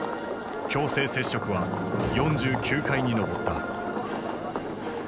強制摂食は４９回に上った。